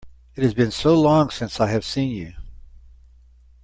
It has been so long since I have seen you!